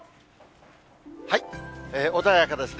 穏やかですね。